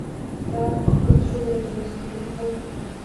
هغه په کان کې د سرو زرو د را ايستلو پر مهال وه.